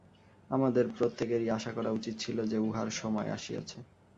আমাদের প্রত্যেকেরই আশা করা উচিত ছিল যে, উহার সময় আসিয়াছে।